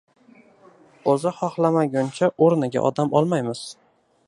O`zi xohlamaguncha o`rniga odam olmaymiz